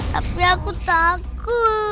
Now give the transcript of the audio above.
tapi aku takut